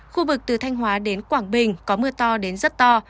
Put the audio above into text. khu vực từ thanh hóa đến quảng bình có mưa to đến rất to